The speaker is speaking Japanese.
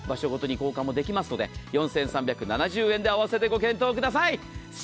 交換もできますので４３７０円で併せてご検討ください。